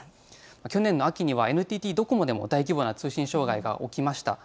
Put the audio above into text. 去年の秋にはＮＴＴドコモで大規模な通信障害が起きました。